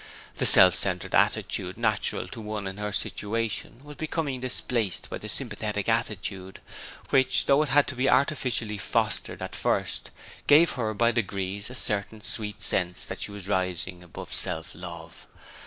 The self centred attitude natural to one in her situation was becoming displaced by the sympathetic attitude, which, though it had to be artificially fostered at first, gave her, by degrees, a certain sweet sense that she was rising above self love.